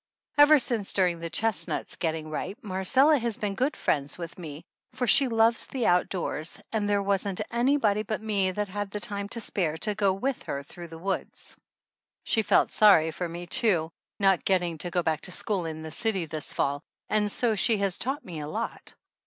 Ever since during the chestnuts getting ripe Marcella has been good friends with me, for she loves the outdoors, and there wasn't anybody but me that had the time to spare to go with her through the woods. She felt sorry for me, too, not getting to go back to school in the city this fall, and so she has taught me a lot.